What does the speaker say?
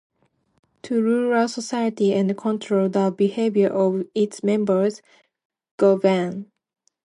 To rule a society and control the behavior of its members - Govern.